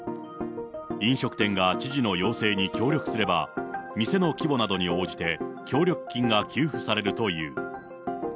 飲食店が知事の要請に協力すれば、店の規模などに応じて協力金が給付されるという。